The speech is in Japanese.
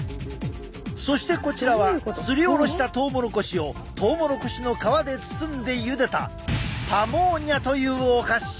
そしてこちらはすりおろしたトウモロコシをトウモロコシの皮で包んでゆでたパモーニャというお菓子。